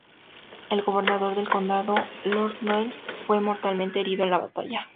El gobernador del condado, Lord O'Neill, fue mortalmente herido en la batalla.